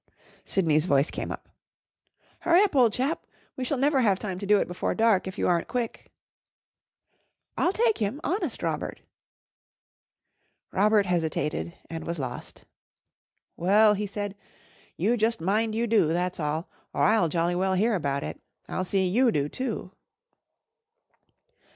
Sydney's voice came up. "Hurry up, old chap! We shall never have time to do it before dark, if you aren't quick." "I'll take him, honest, Robert." Robert hesitated and was lost. "Well," he said, "you just mind you do, that's all, or I'll jolly well hear about it. I'll see you do too."